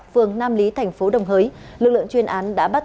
phường nam lý thành phố đồng hới lực lượng chuyên án đã bắt